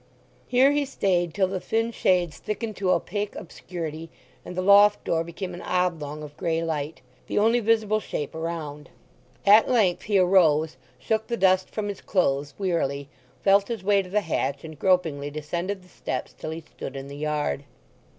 Here he stayed till the thin shades thickened to opaque obscurity, and the loft door became an oblong of gray light—the only visible shape around. At length he arose, shook the dust from his clothes wearily, felt his way to the hatch, and gropingly descended the steps till he stood in the yard.